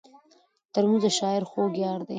ترموز د شاعر خوږ یار دی.